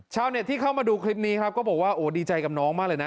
ชาวเน็ตที่เข้ามาดูคลิปนี้ครับก็บอกว่าโอ้ดีใจกับน้องมากเลยนะ